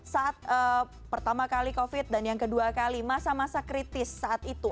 saat pertama kali covid dan yang kedua kali masa masa kritis saat itu